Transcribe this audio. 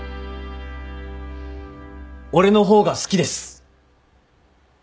俺の方が好きです。